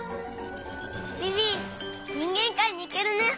ビビにんげんかいにいけるね！